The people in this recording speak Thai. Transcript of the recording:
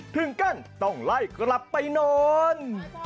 ถึงขั้นต้องไล่กลับไปนอน